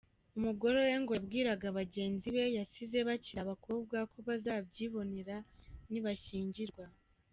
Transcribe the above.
Umugore we ngo yabwiraga bagenzi be yasize bakiri abakobwa ko bazabyibonera nibashyingirwa.